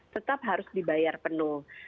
tetap harus dibayar penuh